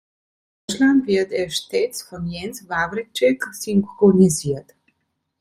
In Deutschland wird er stets von Jens Wawrczeck synchronisiert.